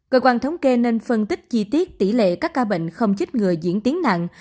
cơ quan thống kê nên phân tích chi tiết tỷ lệ các ca bệnh không chích người diễn tiến nặng